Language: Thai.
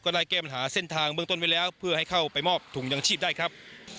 ได้แก้ปัญหาเส้นทางเบื้องต้นไว้แล้วเพื่อให้เข้าไปมอบถุงยังชีพได้ครับ